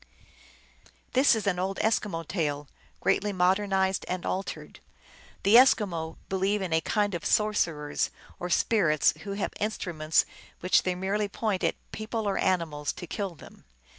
This is an old Eskimo tale, greatly modernized and altered. The Eskimo believe in a kind of sorcerers or spirits, who have instruments which they merely point at people or animals, to kill them.